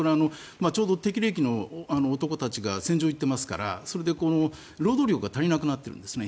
ちょうど適齢期の男たちが戦場に行っていますからそれで労働力が足りなくなっているんですね。